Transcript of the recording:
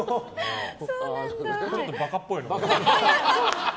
ちょっとバカっぽいな。